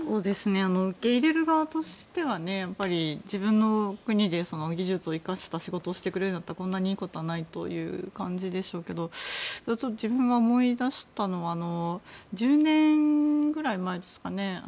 受け入れる側としては自分の国で技術を生かした仕事をしてくれればこんなにいいことはないという感じでしょうけど自分が思い出したのは１０年くらい前ですかね